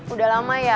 udah lama ya